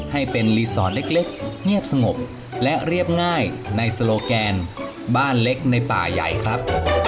ให้เป็นรีสอร์ทเล็กเงียบสงบและเรียบง่ายในโซโลแกนบ้านเล็กในป่าใหญ่ครับ